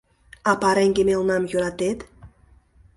А пареҥге мелнам йӧратет?